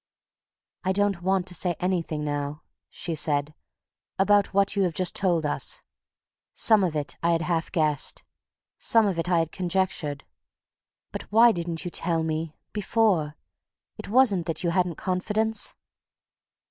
"I don't want to say anything now," she said, "about what you have just told us. Some of it I had half guessed, some of it I had conjectured. But why didn't you tell me! Before! It wasn't that you hadn't confidence?"